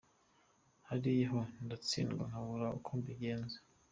Hariya ho ndatsindwa nkabura uko mbigenza.